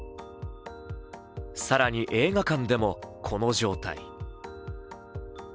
更に、映画館でもこの状態。